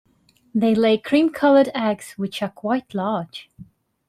They lay cream-colored eggs which are quite large.